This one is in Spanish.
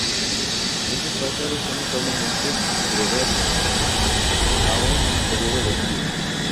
Estos pájaros son notablemente gregarios, aún en período de cría.